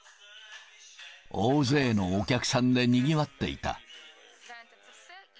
大勢のお客さんでにぎわっていた。